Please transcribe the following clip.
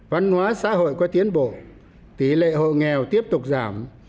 văn hóa xã hội có tiến bộ tỷ lệ hộ nghèo tiếp tục giảm